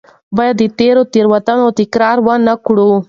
باید د تېرو تېروتنو تکرار ونه کړو.